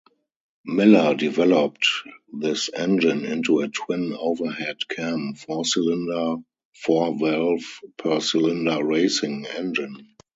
Miller developed this engine into a twin overhead cam, four-cylinder, four-valve-per-cylinder racing engine.